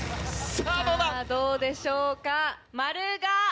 さぁどうでしょうか？